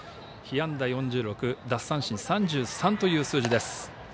被安打４６、奪三振３３という数字です。